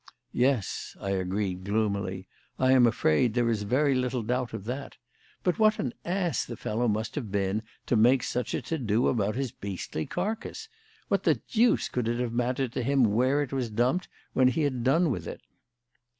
"Yes," I agreed gloomily, "I'm afraid there is very little doubt of that. But what an ass the fellow must have been to make such a to do about his beastly carcass? What the deuce could it have mattered to him where it was dumped, when he had done with it?"